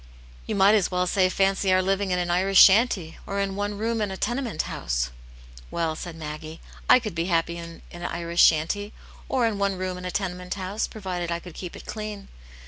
"You might as well say fancy our living in an Irish shanty, or in one room in a tenement house," "Well," said Maggie, "I could be happy in an Irish shanty, or in one room in a tenement house, provided I could keep it clean.